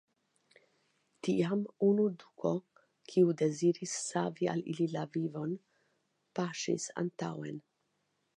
Tiam unu duko, kiu deziris savi al ili la vivon, paŝis antaŭen.